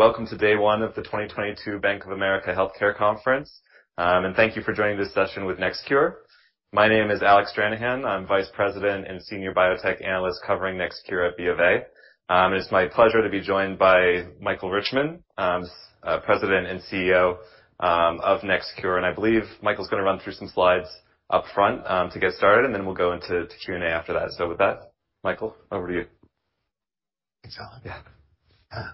Welcome to day one of the 2022 Bank of America Healthcare Conference. Thank you for joining this session with NextCure. My name is Alec Stranahan. I'm Vice President and Senior Biotech Analyst covering NextCure at B of A. It's my pleasure to be joined by Michael Richman, President and CEO of NextCure. I believe Michael's gonna run through some slides up front to get started, and then we'll go into Q&A after that. With that, Michael, over to you. Thanks, Alec. Yeah.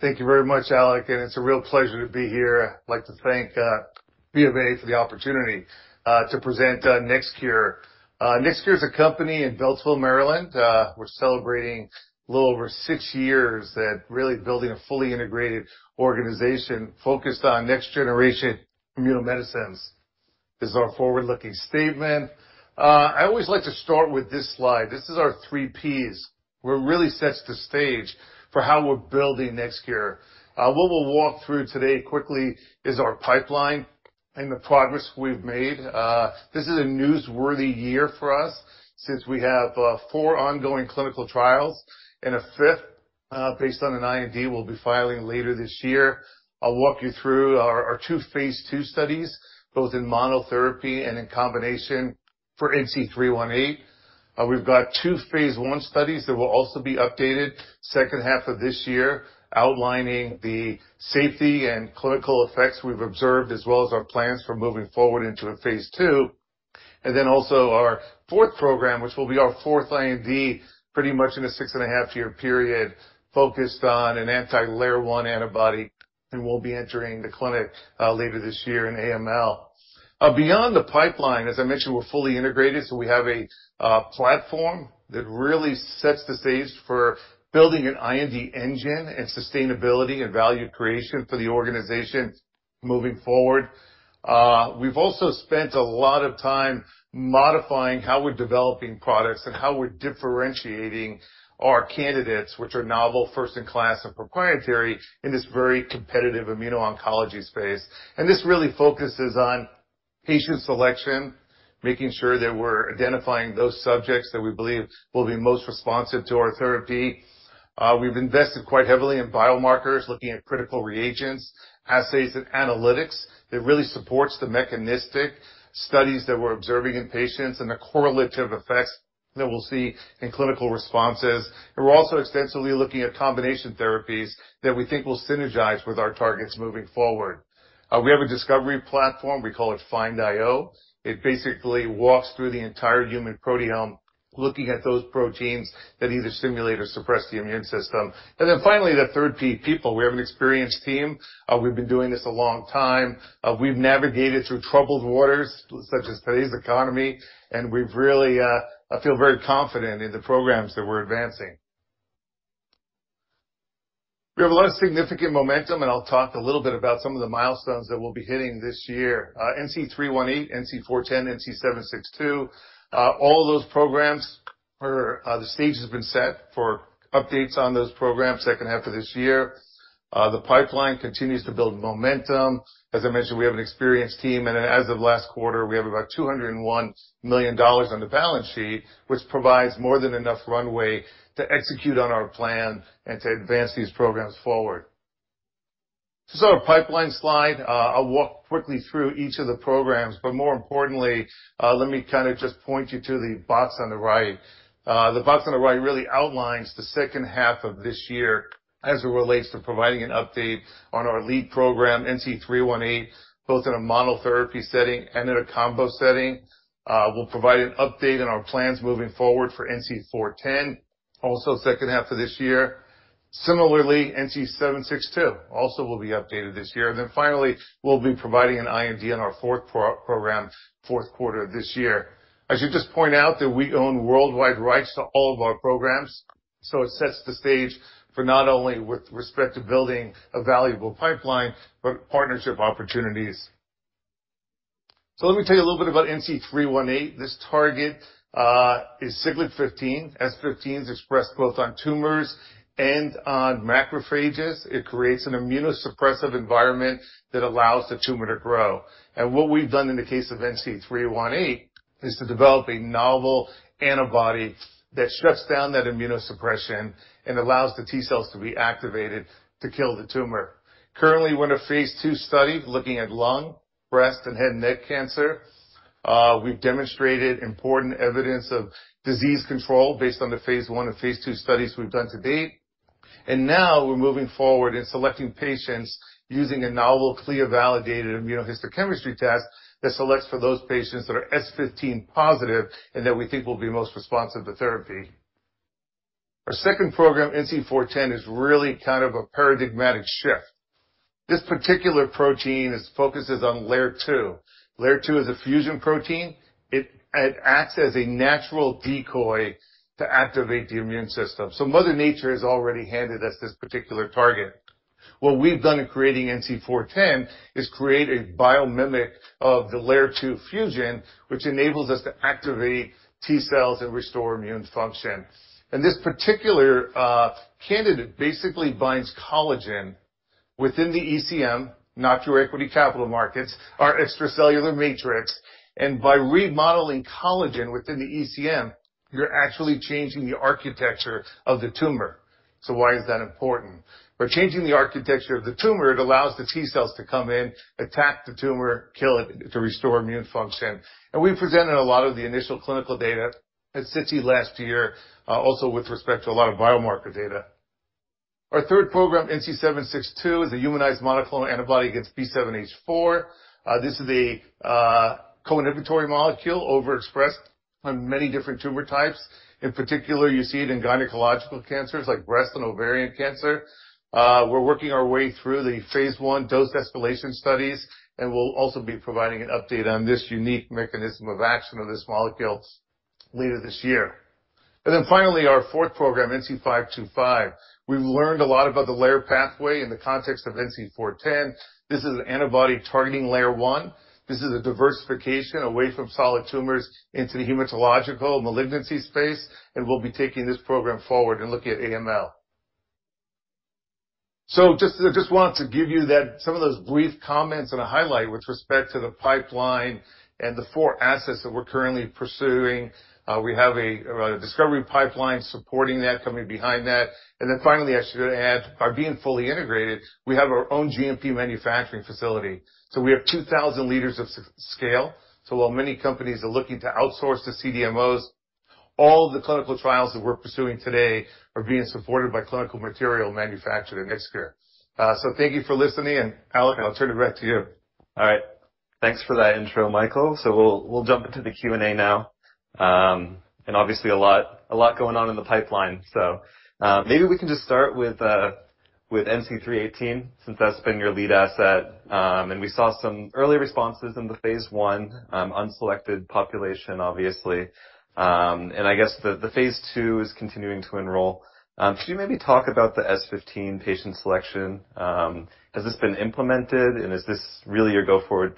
Thank you very much, Alec, and it's a real pleasure to be here. I'd like to thank B of A for the opportunity to present NextCure. NextCure is a company in Beltsville, Maryland. We're celebrating a little over six years at really building a fully integrated organization focused on next generation immuno-medicines. This is our forward-looking statement. I always like to start with this slide. This is our three Ps, what really sets the stage for how we're building NextCure. What we'll walk through today quickly is our pipeline and the progress we've made. This is a newsworthy year for us since we have four ongoing clinical trials and a fifth based on an IND we'll be filing later this year. I'll walk you through our two phase 2 studies, both in monotherapy and in combination for NC318. We've got 2 phase 1 studies that will also be updated second half of this year, outlining the safety and clinical effects we've observed, as well as our plans for moving forward into a phase 2. Our fourth program, which will be our fourth IND, pretty much in a six and a half year period, focused on an anti-LAIR-1 antibody, and we'll be entering the clinic later this year in AML. Beyond the pipeline, as I mentioned, we're fully integrated, so we have a platform that really sets the stage for building an IND engine and sustainability and value creation for the organization moving forward. We've also spent a lot of time modifying how we're developing products and how we're differentiating our candidates, which are novel first in class and proprietary in this very competitive immuno-oncology space. This really focuses on patient selection, making sure that we're identifying those subjects that we believe will be most responsive to our therapy. We've invested quite heavily in biomarkers, looking at critical reagents, assays and analytics that really supports the mechanistic studies that we're observing in patients and the correlative effects that we'll see in clinical responses. We're also extensively looking at combination therapies that we think will synergize with our targets moving forward. We have a discovery platform, we call it FIND-IO. It basically walks through the entire human proteome, looking at those proteins that either stimulate or suppress the immune system. Then finally, the third P, people. We have an experienced team. We've been doing this a long time. We've navigated through troubled waters, such as today's economy, and we've really, I feel very confident in the programs that we're advancing. We have a lot of significant momentum, and I'll talk a little bit about some of the milestones that we'll be hitting this year. NC318, NC410, NC762, all of those programs are, the stage has been set for updates on those programs second half of this year. The pipeline continues to build momentum. As I mentioned, we have an experienced team, and as of last quarter, we have about $201 million on the balance sheet, which provides more than enough runway to execute on our plan and to advance these programs forward. This is our pipeline slide. I'll walk quickly through each of the programs, but more importantly, let me kind of just point you to the box on the right. The box on the right really outlines the second half of this year as it relates to providing an update on our lead program, NC318, both in a monotherapy setting and in a combo setting. We'll provide an update on our plans moving forward for NC410, also second half of this year. Similarly, NC762 also will be updated this year. Finally, we'll be providing an IND on our fourth program, fourth quarter this year. I should just point out that we own worldwide rights to all of our programs, so it sets the stage for not only with respect to building a valuable pipeline, but partnership opportunities. Let me tell you a little bit about NC318. This target is Siglec-15. S15s expressed both on tumors and on macrophages. It creates an immunosuppressive environment that allows the tumor to grow. What we've done in the case of NC318 is to develop a novel antibody that strips down that immunosuppression and allows the T-cells to be activated to kill the tumor. Currently, we're in a phase 2 study looking at lung, breast, and head and neck cancer. We've demonstrated important evidence of disease control based on the phase 1 and phase 2 studies we've done to date. Now we're moving forward in selecting patients using a novel CLIA-validated immunohistochemistry test that selects for those patients that are S-15 positive and that we think will be most responsive to therapy. Our second program, NC410, is really kind of a paradigmatic shift. This particular protein focuses on LAIR-2. LAIR-2 is a fusion protein. It acts as a natural decoy to activate the immune system. Mother Nature has already handed us this particular target. What we've done in creating NC410 is create a biomimic of the LAIR-2 fusion, which enables us to activate T-cells and restore immune function. This particular candidate basically binds collagen within the ECM, not your equity capital markets, our extracellular matrix, and by remodeling collagen within the ECM, you're actually changing the architecture of the tumor. Why is that important? By changing the architecture of the tumor, it allows the T-cells to come in, attack the tumor, kill it, to restore immune function. We presented a lot of the initial clinical data at SITC last year, also with respect to a lot of biomarker data. Our third program, NC762, is a humanized monoclonal antibody against B7-H4. This is a coinhibitory molecule overexpressed on many different tumor types. In particular, you see it in gynecological cancers like breast and ovarian cancer. We're working our way through the phase one dose escalation studies, and we'll also be providing an update on this unique mechanism of action of this molecule later this year. Finally, our fourth program, NC525. We've learned a lot about the LAIR pathway in the context of NC410. This is an antibody targeting LAIR-1. This is a diversification away from solid tumors into the hematological malignancy space, and we'll be taking this program forward and looking at AML. Just want to give you that, some of those brief comments and a highlight with respect to the pipeline and the four assets that we're currently pursuing. We have a discovery pipeline supporting that, coming behind that. Finally, I should add, by being fully integrated, we have our own GMP manufacturing facility. We have 2000 liters of S-scale. While many companies are looking to outsource to CDMOs, all the clinical trials that we're pursuing today are being supported by clinical material manufactured at NextCure. Thank you for listening, and Alec, I'll turn it back to you. All right. Thanks for that intro, Michael. We'll jump into the Q&A now. Obviously a lot going on in the pipeline. Maybe we can just start with NC318 since that's been your lead asset. We saw some early responses in the phase 1 unselected population, obviously. I guess the phase 2 is continuing to enroll. Could you maybe talk about the Siglec-15 patient selection? Has this been implemented and is this really your go-forward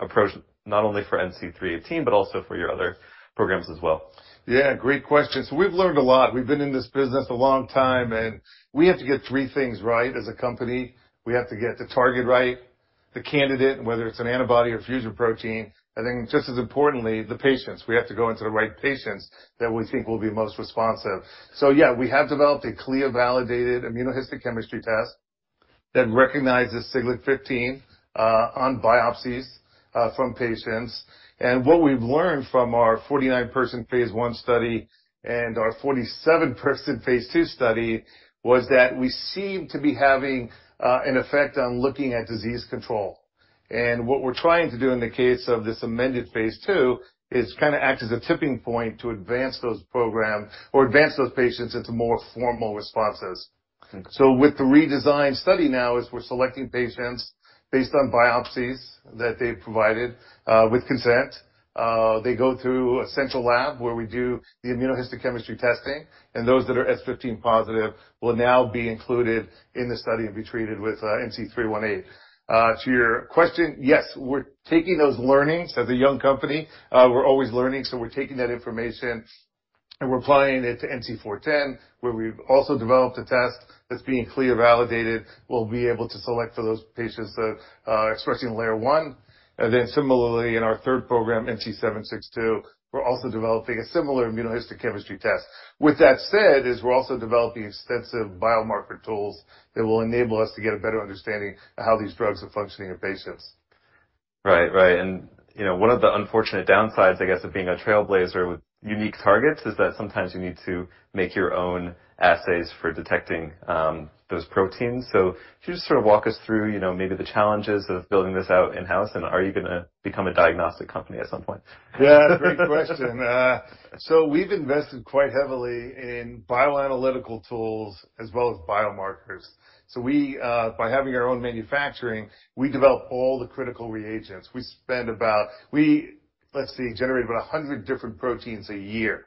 approach, not only for NC318, but also for your other programs as well. Yeah, great question. We've learned a lot. We've been in this business a long time, and we have to get three things right as a company. We have to get the target right, the candidate, whether it's an antibody or fusion protein. I think just as importantly, the patients, we have to go into the right patients that we think will be most responsive. Yeah, we have developed a CLIA-validated immunohistochemistry test that recognizes Siglec-15 on biopsies from patients. What we've learned from our 49-person phase 1 study and our 47-person phase 2 study was that we seem to be having an effect on looking at disease control. What we're trying to do in the case of this amended phase 2 is kinda act as a tipping point to advance those program or advance those patients into more formal responses. Okay. With the redesigned study now we're selecting patients based on biopsies that they've provided, with consent. They go through a central lab where we do the immunohistochemistry testing, and those that are Siglec-15 positive will now be included in the study and be treated with NC318. To your question, yes, we're taking those learnings. As a young company, we're always learning, so we're taking that information and we're applying it to NC410, where we've also developed a test that's being CLIA-validated. We'll be able to select for those patients that expressing LAIR-1. Then similarly in our third program, NC762, we're also developing a similar immunohistochemistry test. With that said, as we're also developing extensive biomarker tools that will enable us to get a better understanding of how these drugs are functioning in patients. Right. You know, one of the unfortunate downsides, I guess, of being a trailblazer with unique targets is that sometimes you need to make your own assays for detecting those proteins. Could you just sort of walk us through, you know, maybe the challenges of building this out in-house, and are you gonna become a diagnostic company at some point? Yeah, great question. We've invested quite heavily in bioanalytical tools as well as biomarkers. We, by having our own manufacturing, we develop all the critical reagents. We, let's see, generate about 100 different proteins a year.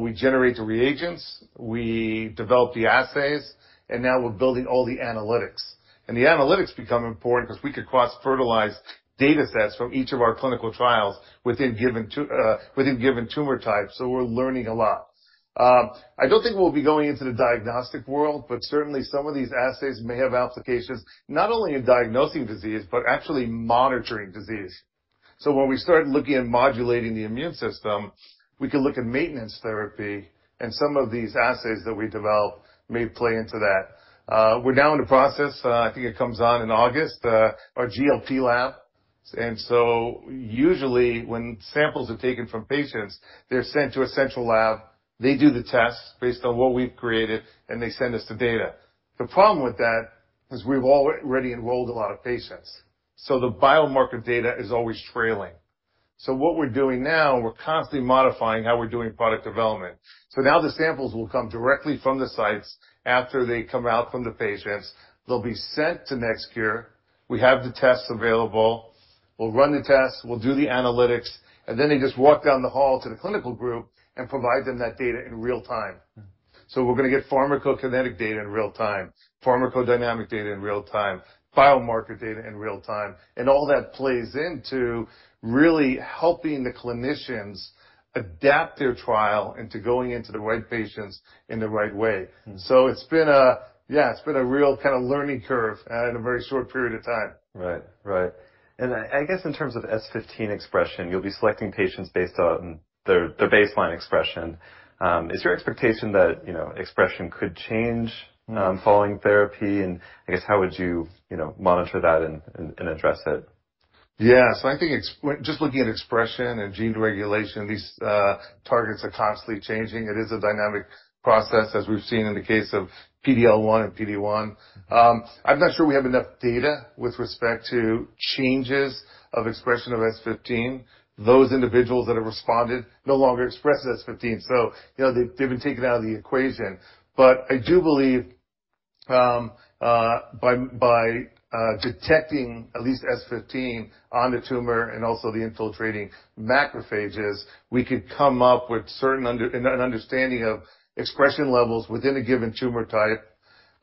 We generate the reagents, we develop the assays, and now we're building all the analytics. The analytics become important 'cause we could cross-fertilize datasets from each of our clinical trials within given tumor types. We're learning a lot. I don't think we'll be going into the diagnostic world, but certainly some of these assays may have applications not only in diagnosing disease but actually monitoring disease. When we start looking at modulating the immune system, we can look at maintenance therapy, and some of these assays that we develop may play into that. We're now in the process. I think it comes on in August, our GLP lab. Usually when samples are taken from patients, they're sent to a central lab. They do the test based on what we've created, and they send us the data. The problem with that is we've already enrolled a lot of patients, so the biomarker data is always trailing. What we're doing now, we're constantly modifying how we're doing product development. Now the samples will come directly from the sites after they come out from the patients. They'll be sent to NextCure. We have the tests available. We'll run the tests, we'll do the analytics, and then they just walk down the hall to the clinical group and provide them that data in real time. Mm-hmm. We're gonna get pharmacokinetic data in real time, pharmacodynamic data in real time, biomarker data in real time, and all that plays into really helping the clinicians adapt their trial into going into the right patients in the right way. Mm-hmm. It's been a real kinda learning curve in a very short period of time. Right. I guess in terms of Siglec-15 expression, you'll be selecting patients based on their baseline expression. Is your expectation that, you know, expression could change? Mm-hmm. Following therapy? I guess how would you know, monitor that and address it? Yeah. I think just looking at expression and gene deregulation, these targets are constantly changing. It is a dynamic process, as we've seen in the case of PD-L1 and PD-1. I'm not sure we have enough data with respect to changes of expression of Siglec-15. Those individuals that have responded no longer express Siglec-15, so, you know, they've been taken out of the equation. I do believe by detecting at least Siglec-15 on the tumor and also the infiltrating macrophages, we could come up with certain understanding of expression levels within a given tumor type.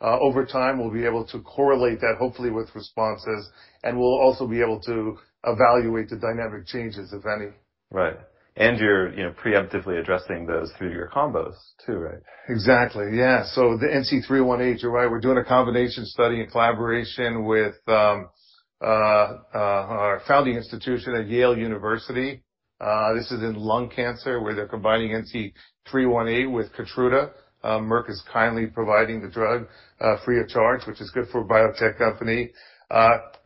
Over time, we'll be able to correlate that hopefully with responses, and we'll also be able to evaluate the dynamic changes, if any. Right. You're, you know, preemptively addressing those through your combos too, right? Exactly, yeah. The NC318, you're right, we're doing a combination study in collaboration with our founding institution at Yale University. This is in lung cancer, where they're combining NC318 with KEYTRUDA. Merck is kindly providing the drug free of charge, which is good for a biotech company. That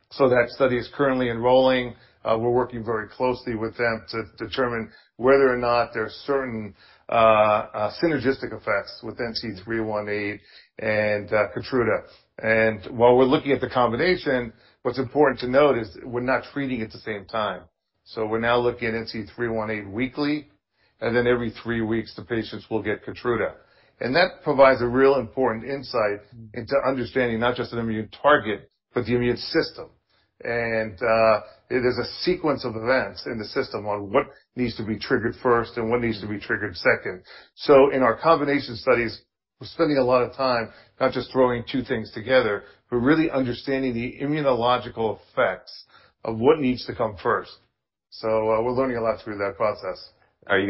study is currently enrolling. We're working very closely with them to determine whether or not there are certain synergistic effects with NC318 and KEYTRUDA. While we're looking at the combination, what's important to note is we're not treating at the same time. We're now looking at NC318 weekly, and then every three weeks, the patients will get KEYTRUDA. That provides a real important insight. Mm-hmm. into understanding not just an immune target, but the immune system. It is a sequence of events in the system on what needs to be triggered first and what needs to be triggered second. In our combination studies, we're spending a lot of time not just throwing two things together, we're really understanding the immunological effects of what needs to come first. We're learning a lot through that process. I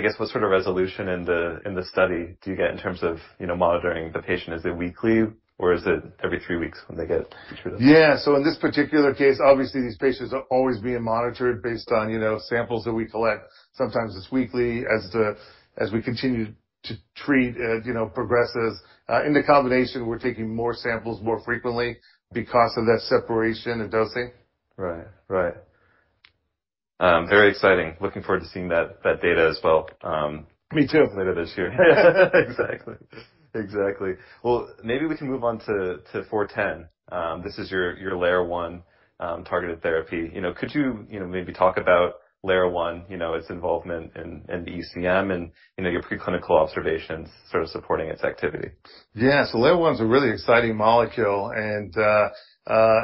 guess, what sort of resolution in the study do you get in terms of, you know, monitoring the patient? Is it weekly or is it every three weeks when they get KEYTRUDA? Yeah. In this particular case, obviously, these patients are always being monitored based on, you know, samples that we collect. Sometimes it's weekly as we continue to treat, you know, progresses. In the combination, we're taking more samples more frequently because of that separation in dosing. Right. Very exciting. Looking forward to seeing that data as well. Me too. later this year. Exactly. Exactly. Well, maybe we can move on to 410. This is your layer one targeted therapy. You know, could you know, maybe talk about layer one, you know, its involvement in the ECM and, you know, your preclinical observations sort of supporting its activity? Yeah. LAIR-1's a really exciting molecule, and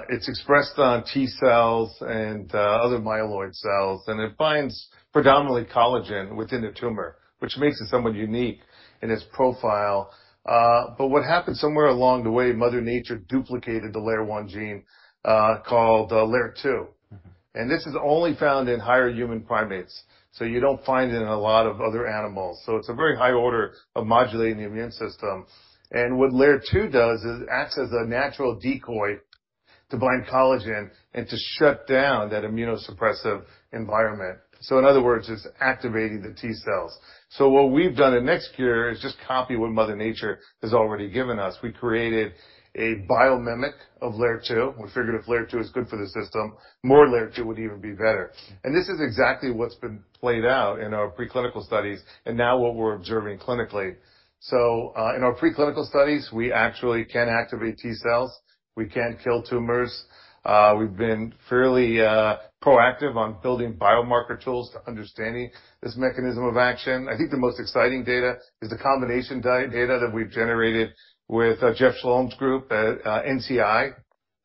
it's expressed on T cells and other myeloid cells, and it binds predominantly collagen within the tumor, which makes it somewhat unique in its profile. What happened somewhere along the way, mother nature duplicated the LAIR-1 gene, called LAIR-2. Mm-hmm. This is only found in higher human primates, so you don't find it in a lot of other animals. It's a very high order of modulating the immune system. What layer two does is acts as a natural decoy to bind collagen and to shut down that immunosuppressive environment. In other words, it's activating the T cells. What we've done at NextCure is just copy what mother nature has already given us. We created a biomimic of layer two. We figured if layer two is good for the system, more layer two would even be better. Mm-hmm. This is exactly what's been played out in our preclinical studies, and now what we're observing clinically. In our preclinical studies, we actually can activate T cells. We can kill tumors. We've been fairly proactive on building biomarker tools to understanding this mechanism of action. I think the most exciting data is the combination data that we've generated with Jeff Schlom's group at NCI,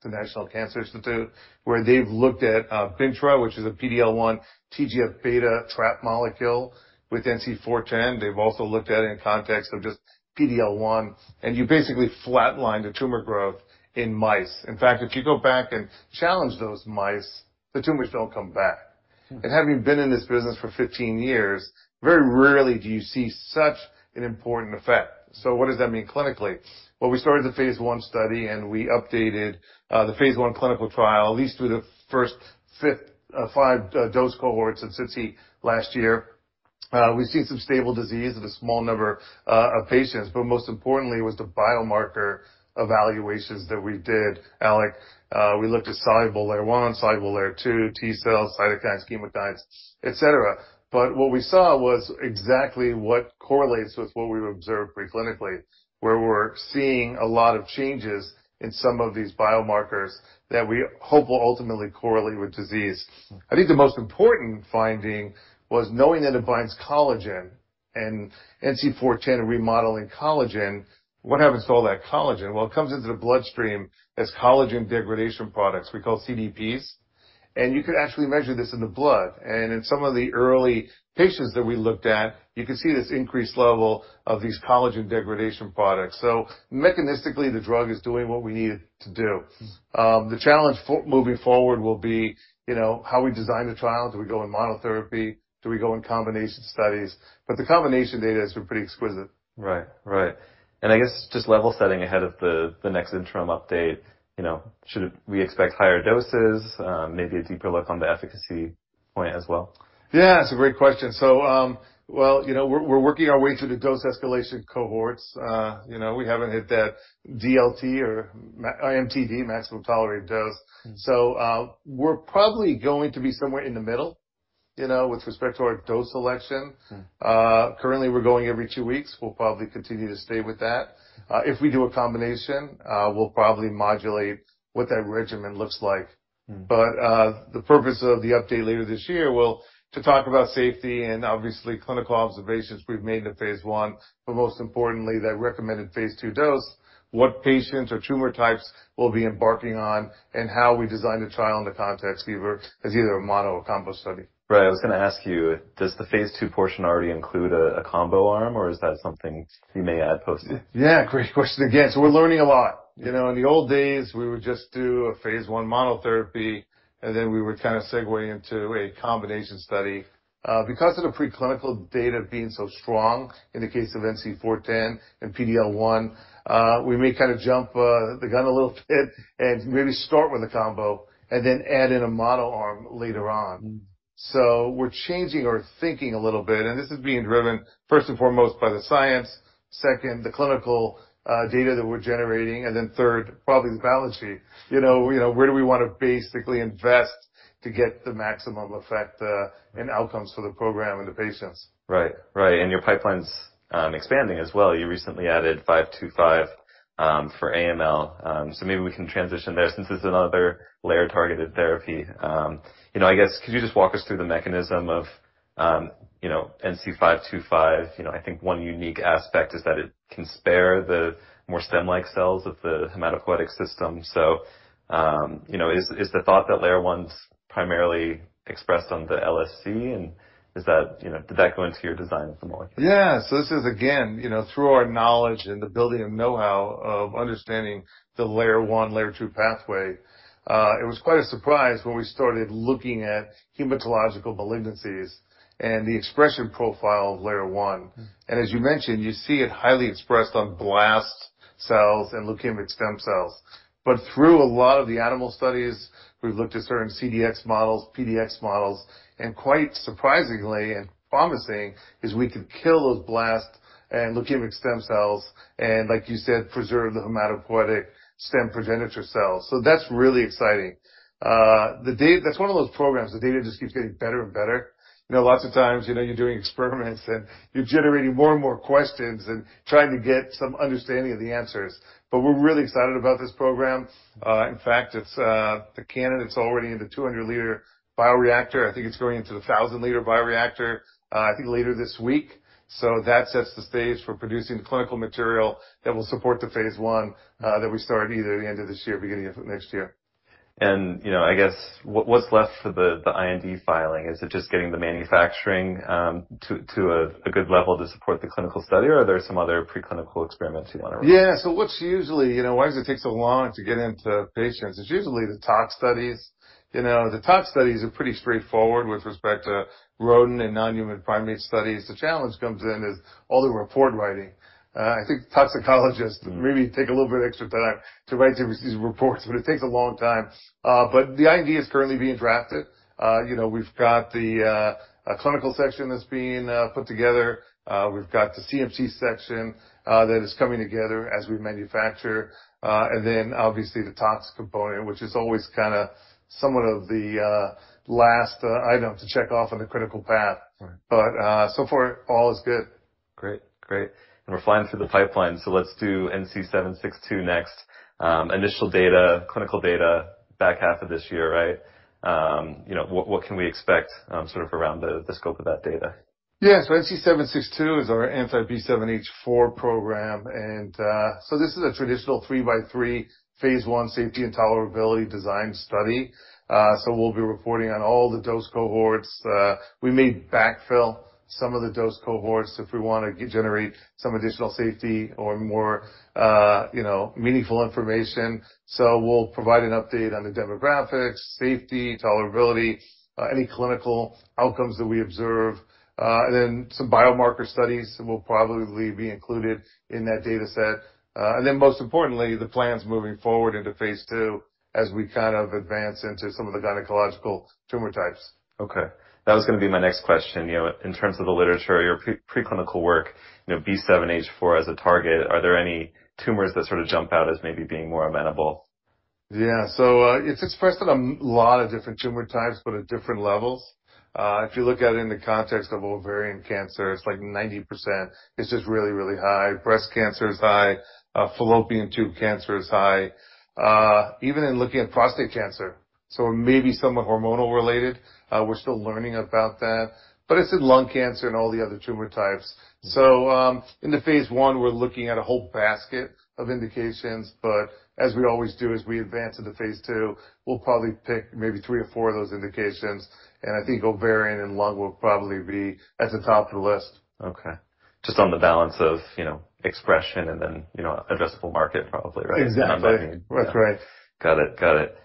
the National Cancer Institute, where they've looked at bintrafusp alfa, which is a PD-L1 TGF-β trap molecule with NC410. They've also looked at it in context of just PD-L1, and you basically flatline the tumor growth in mice. In fact, if you go back and challenge those mice, the tumors don't come back. Mm-hmm. Having been in this business for 15 years, very rarely do you see such an important effect. What does that mean clinically? Well, we started the phase 1 study, and we updated the phase 1 clinical trial, at least through the first five dose cohorts at SITC last year. We've seen some stable disease in a small number of patients, but most importantly was the biomarker evaluations that we did, Alec. We looked at soluble LAIR-1, soluble LAIR-2, T cells, cytokines, chemokines, et cetera. What we saw was exactly what correlates with what we've observed preclinically, where we're seeing a lot of changes in some of these biomarkers that we hope will ultimately correlate with disease. Mm-hmm. I think the most important finding was knowing that it binds collagen. And NC410 remodeling collagen, what happens to all that collagen? Well, it comes into the bloodstream as collagen degradation products we call CDPs, and you could actually measure this in the blood. In some of the early patients that we looked at, you could see this increased level of these collagen degradation products. Mechanistically, the drug is doing what we need it to do. The challenge for moving forward will be, you know, how we design the trial. Do we go in monotherapy? Do we go in combination studies? The combination data has been pretty exquisite. Right. Right. I guess just level setting ahead of the next interim update, you know, should we expect higher doses, maybe a deeper look on the efficacy point as well? Yeah, that's a great question. Well, you know, we're working our way through the dose escalation cohorts. You know, we haven't hit that DLT or IMTD maximum tolerated dose. Mm. We're probably going to be somewhere in the middle, you know, with respect to our dose selection. Mm. Currently we're going every two weeks. We'll probably continue to stay with that. If we do a combination, we'll probably modulate what that regimen looks like. Mm. The purpose of the update later this year will to talk about safety and obviously clinical observations we've made in the phase 1, but most importantly that recommended phase 2 dose, what patients or tumor types we'll be embarking on, and how we design the trial in the context either as either a mono or combo study. Right. I was gonna ask you, does the phase 2 portion already include a combo arm, or is that something you may add post it? Yeah, great question again. We're learning a lot. You know, in the old days we would just do a phase 1 monotherapy, and then we would kind of segue into a combination study. Because of the preclinical data being so strong in the case of NC410 and PD-L1, we may kind of jump the gun a little bit and maybe start with a combo and then add in a mono arm later on. Mm. We're changing our thinking a little bit, and this is being driven first and foremost by the science, second, the clinical, data that we're generating, and then third, probably the balance sheet. You know, where do we wanna basically invest to get the maximum effect, and outcomes for the program and the patients. Right. Your pipeline's expanding as well. You recently added NC525 for AML. Maybe we can transition there since it's another LAIR-targeted therapy. You know, I guess could you just walk us through the mechanism of, you know, NC525? You know, I think one unique aspect is that it can spare the more stem-like cells of the hematopoietic system. You know, is the thought that LAIR-1 is primarily expressed on the LSC and is that, you know, did that go into your design of the molecule? Yeah. This is, again, you know, through our knowledge and the building of know-how of understanding the layer one, layer two pathway. It was quite a surprise when we started looking at hematological malignancies and the expression profile of layer one. Mm. As you mentioned, you see it highly expressed on blast cells and leukemic stem cells. Through a lot of the animal studies, we've looked at certain CDX models, PDX models, and quite surprisingly and promising is we could kill those blast and leukemic stem cells and, like you said, preserve the hematopoietic stem progenitor cells. That's really exciting. That's one of those programs, the data just keeps getting better and better. You know, lots of times, you know, you're doing experiments and you're generating more and more questions and trying to get some understanding of the answers. We're really excited about this program. In fact, it's the candidate's already in the 200-liter bioreactor. I think it's going into the 1,000-liter bioreactor, I think later this week. That sets the stage for producing the clinical material that will support the phase 1 that we start either the end of this year, beginning of next year. You know, I guess what's left for the IND filing? Is it just getting the manufacturing to a good level to support the clinical study, or are there some other preclinical experiments you wanna run? Yeah. What's usually, you know, why does it take so long to get into patients? It's usually the tox studies. You know, the tox studies are pretty straightforward with respect to rodent and non-human primate studies. The challenge comes in is all the report writing. I think toxicologists maybe take a little bit extra time to write these reports, but it takes a long time. The IND is currently being drafted. You know, we've got the clinical section that's being put together. We've got the CMC section that is coming together as we manufacture. Then obviously the tox component, which is always kinda somewhat of the last item to check off on the critical path. Right. So far all is good. Great. We're flying through the pipeline, so let's do NC762 next. Initial data, clinical data back half of this year, right? You know, what can we expect, sort of around the scope of that data? Yeah. NC762 is our anti-B7-H4 program. This is a traditional 3-by-3 phase 1 safety and tolerability design study. We'll be reporting on all the dose cohorts. We may backfill some of the dose cohorts if we wanna generate some additional safety or more, you know, meaningful information. We'll provide an update on the demographics, safety, tolerability, any clinical outcomes that we observe, and then some biomarker studies will probably be included in that data set. And then most importantly, the plans moving forward into phase 2 as we kind of advance into some of the gynecological tumor types. Okay. That was gonna be my next question. You know, in terms of the literature, your preclinical work, you know, B7-H4 as a target, are there any tumors that sort of jump out as maybe being more amenable? Yeah. It's expressed in a lot of different tumor types, but at different levels. If you look at it in the context of ovarian cancer, it's like 90%. It's just really, really high. Breast cancer is high. Fallopian tube cancer is high. Even in looking at prostate cancer. Maybe somewhat hormonal related. We're still learning about that, but it's in lung cancer and all the other tumor types. In the phase one, we're looking at a whole basket of indications, but as we always do, as we advance into phase two, we'll probably pick maybe three or four of those indications, and I think ovarian and lung will probably be at the top of the list. Okay. Just on the balance of, you know, expression and then, you know, addressable market probably, right? Exactly. That's right. Got it.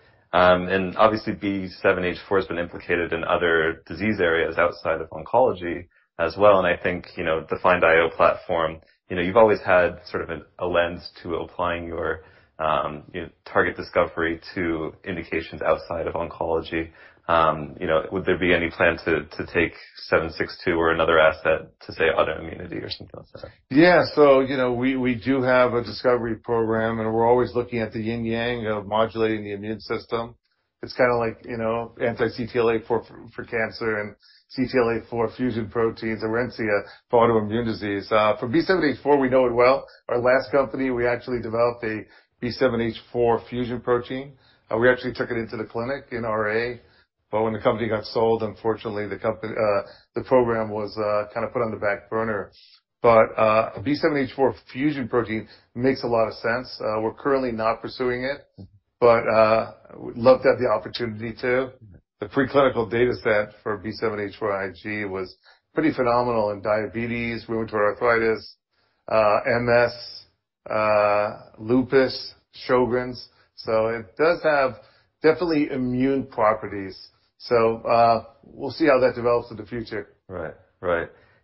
Obviously B7-H4 has been implicated in other disease areas outside of oncology as well. I think, you know, the FIND-IO platform, you know, you've always had sort of a lens to applying your, you know, target discovery to indications outside of oncology. You know, would there be any plan to take seven six two or another asset to, say, autoimmunity or something like that? You know, we do have a discovery program, and we're always looking at the yin yang of modulating the immune system. It's kind of like, you know, anti-CTLA-4 for cancer and CTLA-4 fusion proteins, Orencia for autoimmune disease. For B7-H4, we know it well. Our last company, we actually developed a B7-H4 fusion protein. We actually took it into the clinic in RA, but when the company got sold, unfortunately the program was kind of put on the back burner. B7-H4 fusion protein makes a lot of sense. We're currently not pursuing it, but would love to have the opportunity to. The preclinical data set for B7H4 IG was pretty phenomenal in diabetes, rheumatoid arthritis, MS, lupus, Sjögren's. It does have definitely immune properties. We'll see how that develops in the future. Right.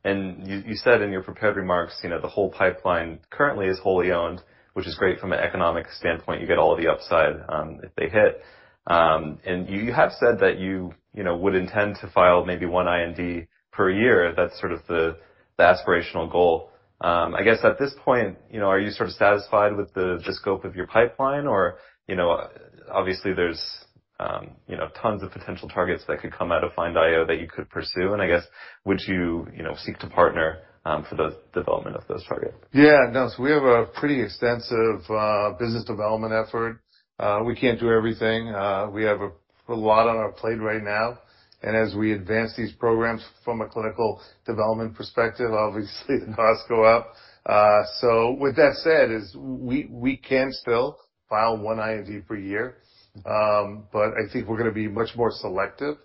You said in your prepared remarks, you know, the whole pipeline currently is wholly owned, which is great from an economic standpoint. You get all of the upside, if they hit. You have said that you know, would intend to file maybe one IND per year. That's sort of the aspirational goal. I guess at this point, you know, are you sort of satisfied with the scope of your pipeline? You know, obviously there's you know, tons of potential targets that could come out of Find IO that you could pursue. I guess would you know, seek to partner for the development of those targets? We have a pretty extensive business development effort. We can't do everything. We have a lot on our plate right now, and as we advance these programs from a clinical development perspective, obviously the costs go up. With that said, we can still file one IND per year. But I think we're gonna be much more selective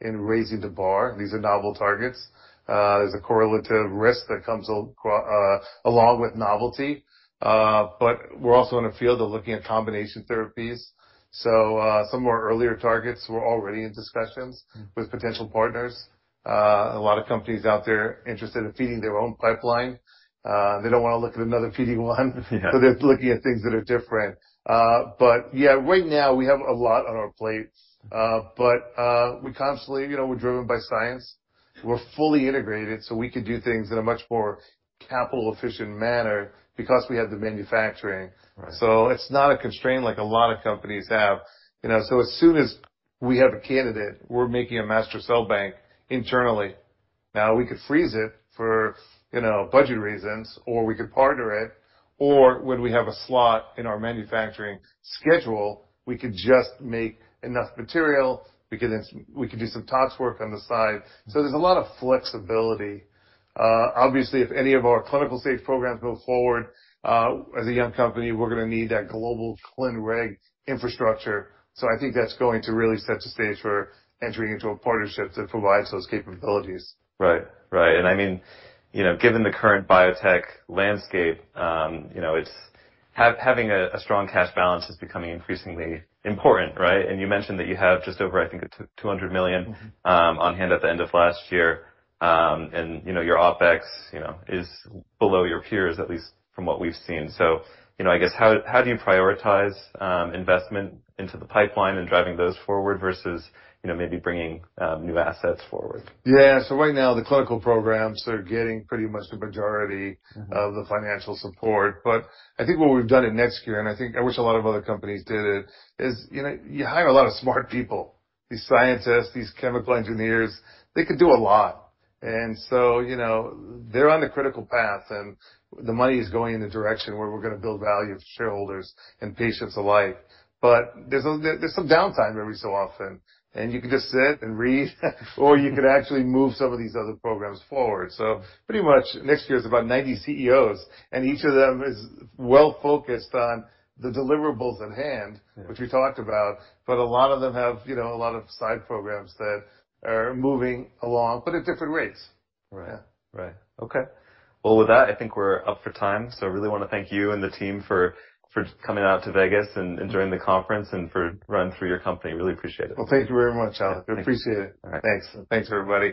in raising the bar. These are novel targets. There's a correlative risk that comes along with novelty. But we're also in the field of looking at combination therapies. Some of our earlier targets were already in discussions with potential partners. A lot of companies out there interested in feeding their own pipeline. They don't wanna look at another feeding one. Yeah. They're looking at things that are different. Yeah, right now we have a lot on our plate. We constantly, you know, we're driven by science. We're fully integrated, so we can do things in a much more capital efficient manner because we have the manufacturing. Right. It's not a constraint like a lot of companies have, you know. As soon as we have a candidate, we're making a master cell bank internally. Now we could freeze it for, you know, budget reasons, or we could partner it, or when we have a slot in our manufacturing schedule, we could just make enough material. We could do some tox work on the side. There's a lot of flexibility. Obviously, if any of our clinical stage programs move forward, as a young company, we're gonna need that global clin reg infrastructure. I think that's going to really set the stage for entering into a partnership that provides those capabilities. Right. I mean, you know, given the current biotech landscape, you know, having a strong cash balance is becoming increasingly important, right? You mentioned that you have just over, I think, $200 million- Mm-hmm. on hand at the end of last year. You know, your OpEx, you know, is below your peers, at least from what we've seen. You know, I guess how do you prioritize investment into the pipeline and driving those forward versus, you know, maybe bringing new assets forward? Yeah. Right now the clinical programs are getting pretty much the majority of the financial support. I think what we've done at NextCure, and I think I wish a lot of other companies did it, is, you know, you hire a lot of smart people, these scientists, these chemical engineers, they can do a lot. You know, they're on the critical path, and the money is going in the direction where we're gonna build value for shareholders and patients alike. There's some downtime every so often, and you can just sit and read, or you can actually move some of these other programs forward. Pretty much NextCure is about 90 employees, and each of them is well focused on the deliverables at hand. Yeah. which we talked about, but a lot of them have, you know, a lot of side programs that are moving along, but at different rates. Right. Yeah. Right. Okay. Well, with that, I think we're up for time. I really wanna thank you and the team for coming out to Vegas and during the conference and for running through your company. Really appreciate it. Well, thank you very much, Alec. I appreciate it. All right. Thanks. Thanks, everybody.